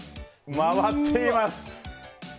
回っています。